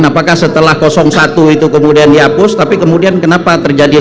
apakah setelah satu itu kemudian dihapus tapi kemudian kenapa terjadi